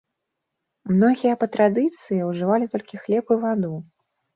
Многія па традыцыі ўжывалі толькі хлеб і ваду.